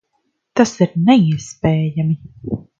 Tas ir neiespējami!